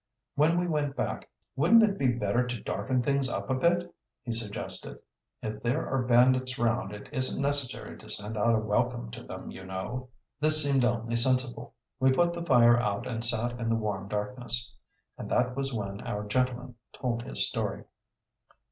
When we went back: "Wouldn't it be better to darken things up a bit?" he suggested. "If there are bandits round it isn't necessary to send out a welcome to them, you know." This seemed only sensible. We put the fire out and sat in the warm darkness. And that was when our gentleman told us his story.